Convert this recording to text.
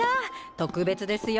特別ですよ！